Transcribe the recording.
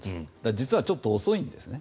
実はちょっと遅いんですね。